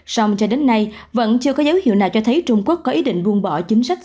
song cho đến nay vẫn chưa có dấu hiệu nào cho thấy trung quốc có ý định buông bỏ chính sách